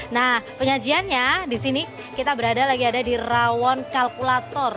nah penyajiannya di sini kita berada lagi ada di rawon kalkulator